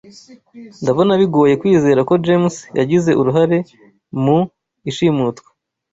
Ndabona bigoye kwizera ko James yagize uruhare mu ishimutwa.